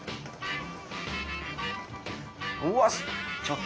うわっ！